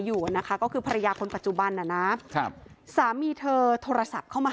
อยู่นะคะก็คือภรรยาคนปัจจุบันน่ะนะครับสามีเธอโทรศัพท์เข้ามา